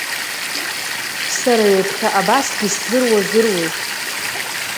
Сара ҩаԥхьа абасгьы сзыруазыруеи?